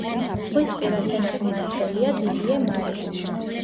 ზღვისპირა სენას მმართველია დიდიე მარი.